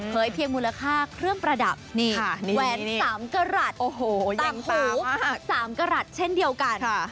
เผยเพียงมูลค่าเครื่องประดับแหวนสามกระหลัดต่างหูสามกระหลัดเช่นเดียวกัน